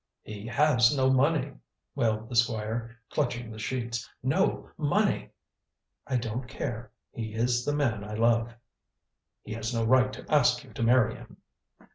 "He has no money," wailed the Squire, clutching the sheets; "no money." "I don't care. He is the man I love." "He has no right to ask you to marry him."